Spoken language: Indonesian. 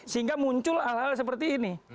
sehingga muncul hal hal seperti ini